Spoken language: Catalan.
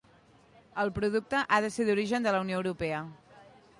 El producte ha de ser d'origen de la Unió Europea.